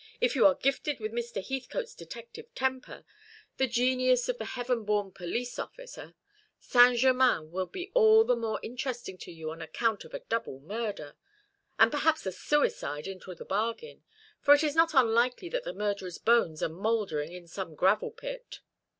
"If you are gifted with Mr. Heathcote's detective temper the genius of the heaven born police officer Saint Germain will be all the more interesting to you on account of a double murder and perhaps a suicide into the bargain; for it is not unlikely that the murderer's bones are mouldering in some gravel pit."